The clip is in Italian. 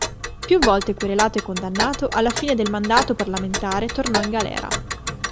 Più volte querelato e condannato, alla fine del mandato parlamentare tornò in galera.